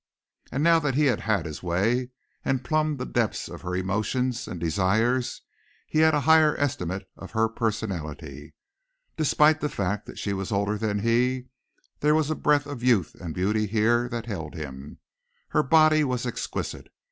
And now that he had had his way and plumbed the depths of her emotions and desires he had a higher estimate of her personality. Despite the fact that she was older than he, there was a breath of youth and beauty here that held him. Her body was exquisite.